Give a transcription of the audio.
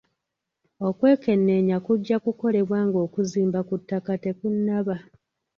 Okwekenneenya kujja kukolebwa nga okuzimba ku ttaka tekunnaba.